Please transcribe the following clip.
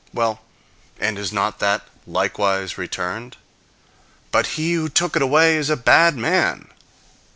Well, and is not that likewise returned? "But he who took it away is a bad man."